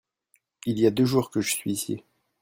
Il y a deux jours que je suis ici.